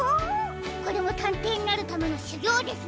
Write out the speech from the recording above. これもたんていになるためのしゅぎょうですね！